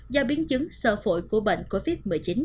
do biến chứng sở phổi của bệnh covid một mươi chín